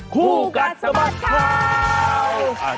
คู่กัดสะบัดข่าว